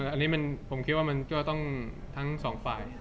อันนี้ผมคิดว่ามันก็ต้องทั้งสองฝ่าย